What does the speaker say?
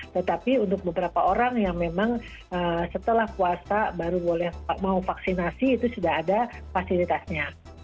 tetapi untuk beberapa orang yang memang setelah puasa baru boleh mau vaksinasi itu sudah ada fasilitasnya